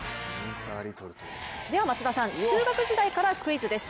松田さん中学時代からクイズです。